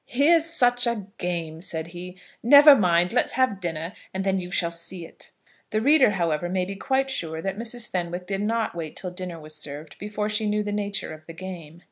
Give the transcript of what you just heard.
"Here's such a game," said he. "Never mind; let's have dinner, and then you shall see it." The reader, however, may be quite sure that Mrs. Fenwick did not wait till dinner was served before she knew the nature of the game.